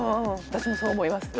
私もそう思います。